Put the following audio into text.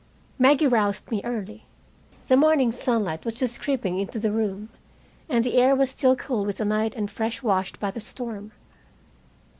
Maggie roused me early. The morning sunlight was just creeping into the room, and the air was still cool with the night and fresh washed by the storm.